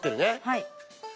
はい。